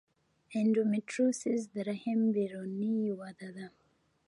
د انډومیټریوسس د رحم بیروني وده ده.